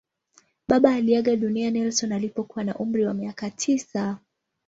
Baba aliaga dunia Nelson alipokuwa na umri wa miaka tisa.